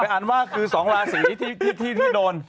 อันว่าคือ๒ราศีที่โดน